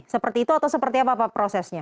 seperti itu atau seperti apa pak prosesnya